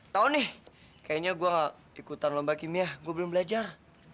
tau nih kayaknya gue ikutan lomba kimia gue belum belajar